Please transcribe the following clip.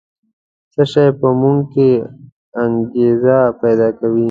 څه شی په موږ کې انګېزه پیدا کوي؟